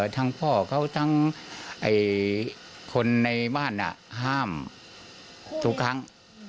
ทั้งพ่อเขาทั้งคนในบ้านห้ามทุกครั้ง